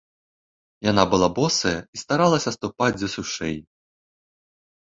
Яна была босая і старалася ступаць дзе сушэй.